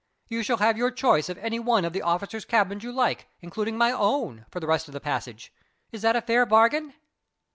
You shall have your choice of any one of the officers' cabins you like, including my own, for the rest of the passage. Is that a fair bargain?"